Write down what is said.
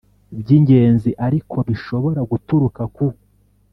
by ingenzi Ariko bishobora guturuka ku